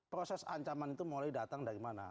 proses ancaman itu mulai datang dari mana